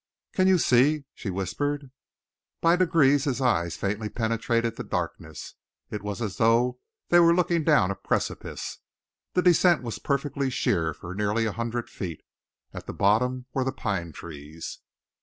"Can you see?" she whispered. By degrees his eyes faintly penetrated the darkness. It was as though they were looking down a precipice. The descent was perfectly sheer for nearly a hundred feet. At the bottom were the pine trees.